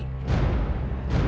bagaimana dengan gayatri